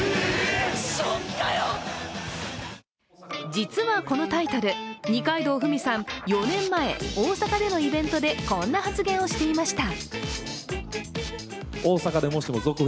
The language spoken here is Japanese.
実はこのタイトル、二階堂ふみさん、４年前、大阪でのイベントでこんな発言をしていました。